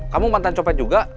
kamu mantan copet juga